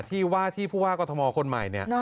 ที่ว่าที่ผู้ว่ากรทมคนใหม่เนี่ย